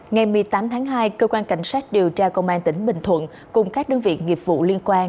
ngày một mươi tám tháng hai cơ quan cảnh sát điều tra công an tỉnh bình thuận cùng các đơn vị nghiệp vụ liên quan